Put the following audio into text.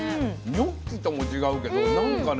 ニョッキとも違うけどなんかね